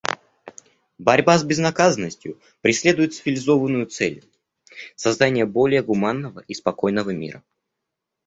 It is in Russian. Борьба с безнаказанностью преследует цивилизованную цель — создание более гуманного и спокойного мира.